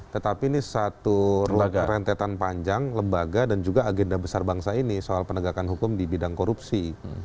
tetapi ini satu rentetan panjang lembaga dan juga agenda besar bangsa ini soal penegakan hukum di bidang korupsi